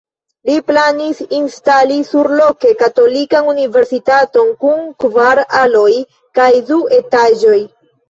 Li planis instali surloke katolikan universitaton kun kvar aloj kaj du etaĝoj.